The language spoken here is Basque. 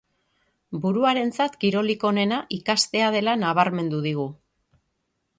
Buruarentzat kirolik onena ikastea dela nabarmendu digu.